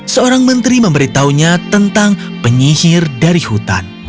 seorang menteri memberitahunya tentang penyihir dari hutan